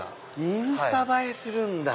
インスタ映えするんだ！